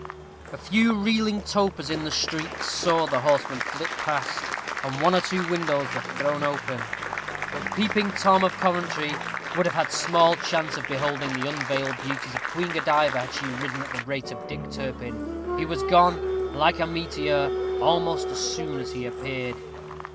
A few reeling topers in the streets saw the horseman flit past, and one or two windows were thrown open; but Peeping Tom of Coventry would have had small chance of beholding the unveiled beauties of Queen Godiva had she ridden at the rate of Dick Turpin. He was gone, like a meteor, almost as soon as he appeared.